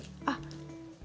あっ。